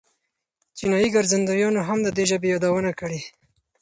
چینایي ګرځندویانو هم د دې ژبې یادونه کړې.